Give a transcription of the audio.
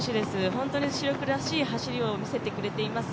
本当に主力らしい走りを見せてくれています。